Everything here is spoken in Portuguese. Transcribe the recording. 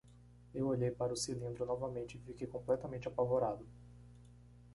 Eu olhei para o cilindro novamente e fiquei completamente apavorado.